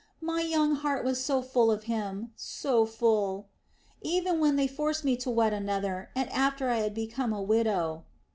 My young heart was so full of him, so full.... Even when they forced me to wed another, and after I had become a widow."